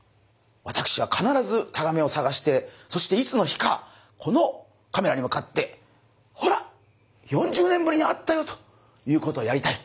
私は必ずタガメを探してそしていつの日かこのカメラに向かってほらということをやりたい。